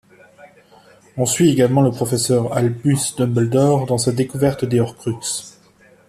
On suit également le professeur Albus Dumbledore dans sa découverte des Horcruxes.